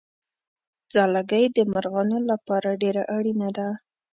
ځالګۍ د مرغانو لپاره ډېره اړینه ده.